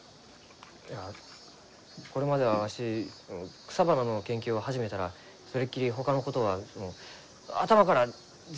いやこれまではわし草花の研究を始めたらそれっきりほかのことは頭から全部かき消えました。